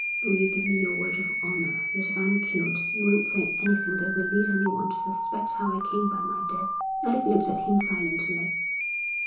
'Will you give me your word of honour that if I'm killed you won't say anything that will lead anyone to suspect how I came by my death.' Alec looked at him silently.